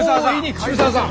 渋沢さん！